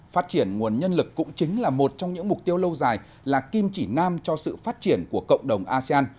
phát triển nguồn nhân lực cũng chính là một trong những mục tiêu lâu dài là kim chỉ nam cho sự phát triển của cộng đồng asean